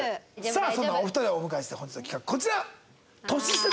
さあそんなお二人をお迎えして本日の企画こちら。